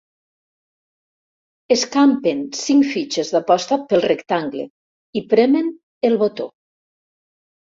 Escampen cinc fitxes d'aposta pel rectangle i premen el botó.